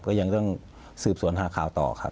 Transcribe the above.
ก็ยังต้องสืบสวนหาข่าวต่อครับ